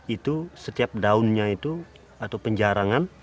itu setiap daunnya itu atau penjarangan